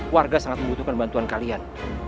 warga sangat membutuhkan bantuan kalian